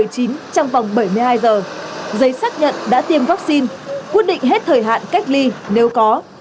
trong vòng bảy mươi hai giờ giấy xác nhận đã tiêm vaccine quyết định hết thời hạn cách ly nếu có